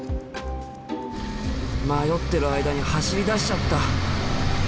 迷ってる間に走りだしちゃった！